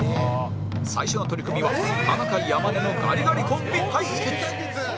最初の取組は田中山根のガリガリコンビ対決